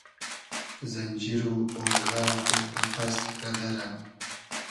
زئنجیر و اۉرغۂ و قئپئس غئدئرۂ